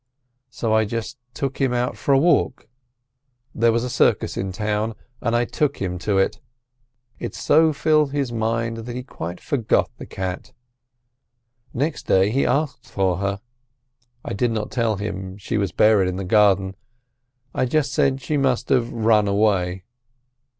So I just took him out for a walk; there was a circus in the town, and I took him to it. It so filled his mind that he quite forgot the cat. Next day he asked for her. I did not tell him she was buried in the garden, I just said she must have run away.